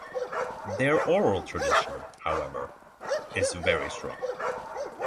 Their oral tradition, however, is very strong.